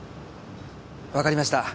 分かりました。